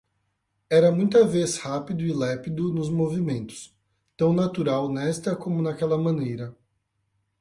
era muita vez rápido e lépido nos movimentos, tão natural nesta como naquela maneira.